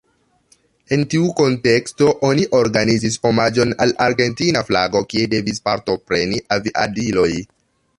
En tiu kunteksto oni organizis omaĝon al la argentina flago, kie devis partopreni aviadiloj.